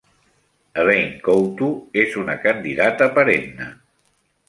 Elaine Couto és una candidata perenne.